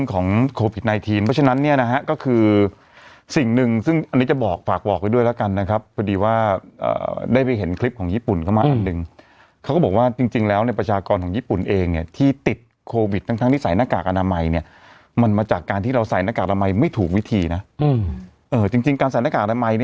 ของโควิด๑๙เพราะฉะนั้นเนี่ยนะฮะก็คือสิ่งหนึ่งซึ่งอันนี้จะบอกฝากบอกไว้ด้วยแล้วกันนะครับพอดีว่าได้ไปเห็นคลิปของญี่ปุ่นเข้ามาอันหนึ่งเขาก็บอกว่าจริงแล้วเนี่ยประชากรของญี่ปุ่นเองเนี่ยที่ติดโควิดทั้งทั้งที่ใส่หน้ากากอนามัยเนี่ยมันมาจากการที่เราใส่หน้ากากอนามัยไม่ถูกวิธีนะจริงการใส่หน้ากากอนามัย